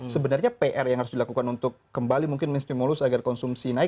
sebenarnya pr yang harus dilakukan untuk kembali mungkin menstimulus agar konsumsi naik